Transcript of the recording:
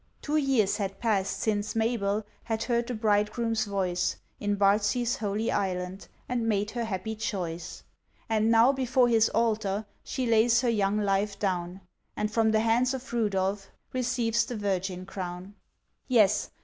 Two years had pass'd since Mabel Had heard the Bridegroom's voice, In Bardsey's Holy Island, And made her happy choice. And now before His Altar, She lays her young life down, And from the hands of Rudolph Receives the virgin crown! Yes!